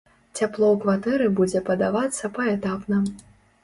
Цяпло ў кватэры будзе падавацца паэтапна.